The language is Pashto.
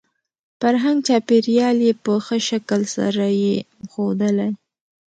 فرهنګ ،چاپېريال يې په ښه شکل سره يې ښودلى .